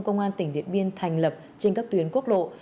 công an tỉnh điện biên thành lập trên các tuyến quốc lộ